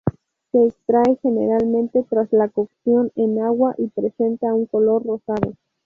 Se extrae generalmente tras la cocción en agua y presenta un color rosado.